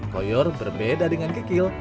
koyor berbeda dengan kikil